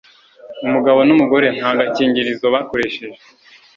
umugabo n'umugore nta gakingirizo bakoresheje.